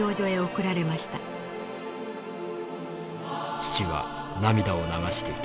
「父は涙を流していた。